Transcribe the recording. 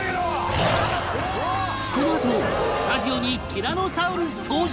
このあとスタジオにティラノサウルス登場！